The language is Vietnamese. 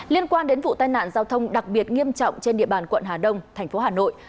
liên quan đến vụ tai nạn giao thông đặc biệt nghiêm trọng trên địa bàn quận hà đông thành phố hà nội